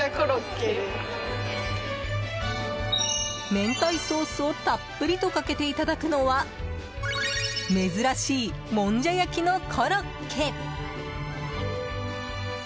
明太ソースをたっぷりとかけていただくのは珍しいもんじゃ焼きのコロッケ。